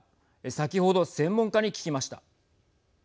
先ほど専門家に聞きました。